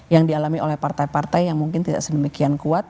yang dialami oleh partai partai yang mungkin tidak sedemikian kuat